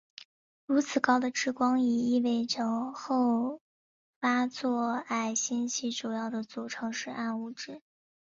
如此高的质光比意味着后发座矮星系主要的组成是暗物质。